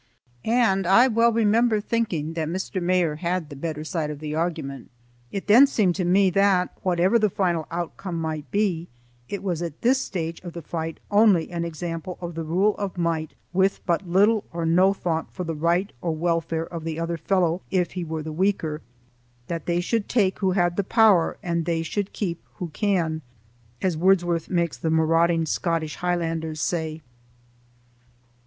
And I well remember thinking that Mr. Mair had the better side of the argument. It then seemed to me that, whatever the final outcome might be, it was at this stage of the fight only an example of the rule of might with but little or no thought for the right or welfare of the other fellow if he were the weaker; that "they should take who had the power, and they should keep who can," as Wordsworth makes the marauding Scottish Highlanders say.